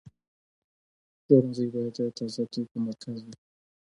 پلورنځی باید د تازه توکو مرکز وي.